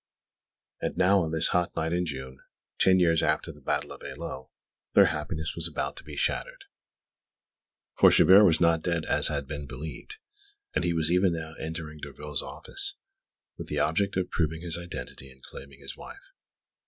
And now, on this hot night in June, ten years after the battle of Eylau, their happiness was about to be shattered. For Chabert was not dead, as had been believed; and he was even now entering Derville's office, with the object of proving his identity and claiming his wife.